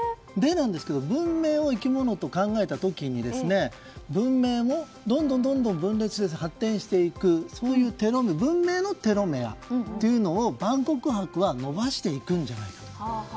文明を生き物と考えた時に文明もどんどん分裂して発展していくそういう文明のテロメアというのを万国博は伸ばしていくんじゃないかと。